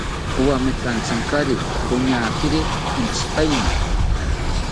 Owametanthatziri roñageri entzipaeni